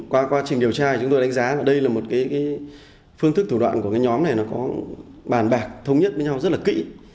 qua quá trình điều tra chúng tôi đánh giá là đây là một cái phương thức thủ đoạn của cái nhóm này nó có bàn bạc thống nhất với nhau rất là kỹ